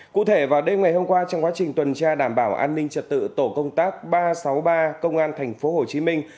cụ thể vào đêm ngày hôm qua trong quá trình tuần tra đảm bảo an ninh trật tự tổ công tác ba trăm sáu mươi ba công an thành phố hồ chí minh